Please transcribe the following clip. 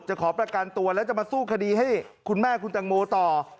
ขอประกันตัวแล้วจะมาสู้คดีให้คุณแม่คุณตังโมต่อ